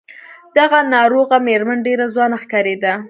دغه ناروغه مېرمن ډېره ځوانه ښکارېده.